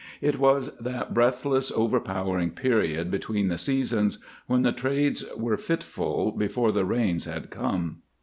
It was that breathless, overpowering period between the seasons when the trades were fitful, before the rains had come.